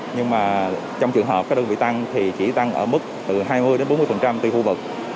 nhưng trong trường hợp các đơn vị tăng thì chỉ tăng ở mức từ hai mươi bốn mươi tùy khu vực